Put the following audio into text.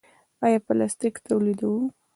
آیا پلاستیک تولیدوو؟